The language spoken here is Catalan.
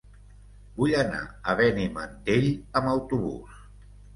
Vull anar a Benimantell amb autobús.